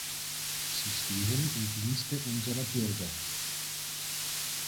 Sie stehen im Dienste unserer Bürger.